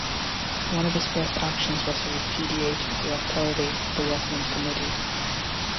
One of his first actions was to repudiate the authority of the workmen's committee.